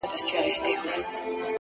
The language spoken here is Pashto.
پوهېږې په جنت کي به همداسي ليونی یم-